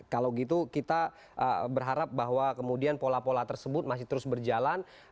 kalau gitu kita berharap bahwa kemudian pola pola tersebut masih terus berjalan